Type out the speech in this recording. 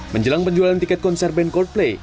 menjelang penjualan tiket konser band coldplay